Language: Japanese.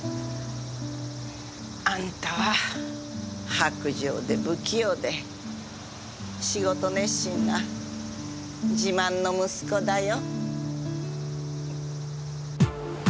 あんたは薄情で不器用で仕事熱心な自慢の息子だよ。